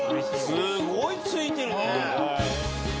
すごいついてるね。